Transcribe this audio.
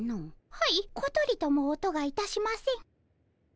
はいことりとも音がいたしません。